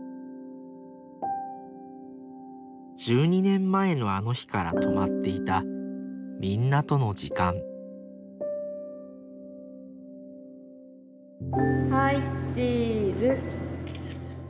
１２年前のあの日から止まっていたみんなとの時間はいチーズ。